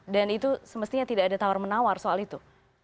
dan itu semestinya tidak ada tawar menawar soal itu